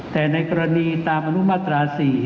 แต่ในกรณีตามอนุมาตรา๔